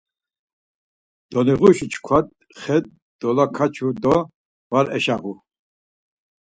Doliğuşi çkva xe dolakaçu do var eşağu.